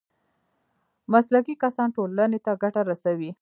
مسلکي کسان ټولنې ته ګټه رسوي